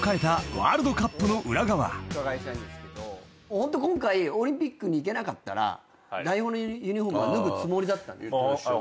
ホント今回オリンピックに行けなかったら代表のユニホームは脱ぐつもりだったんですか？